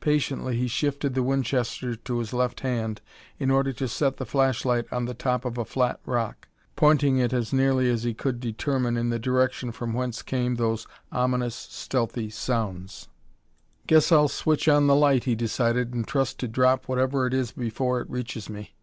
Patiently he shifted the Winchester to his left hand in order to set the flashlight on the top of a flat rock, pointing it as nearly as he could determine in the direction from whence came those ominous, stealthy sounds. "Guess I'll switch on the light," he decided, "and trust to drop whatever it is before it reaches me."